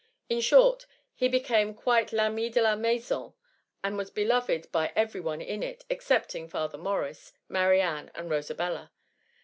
In shorty he became quite Pami de la maison, and wa» beloved by every one in it, excepting Father Morris, Marianne, and Rosabella.